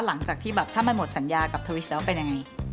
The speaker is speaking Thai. หลังจากที่แบบถ้ามันหมดสัญญากับทวิชแล้วเป็นยังไง